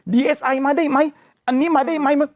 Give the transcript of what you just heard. เอสไอมาได้ไหมอันนี้มาได้ไหม